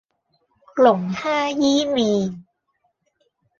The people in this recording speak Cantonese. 龍蝦伊麵